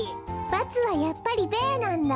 ×はやっぱり「ベー」なんだ。